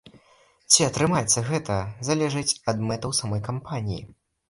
Ці атрымаецца гэта, залежыць ад мэтаў самой кампаніі.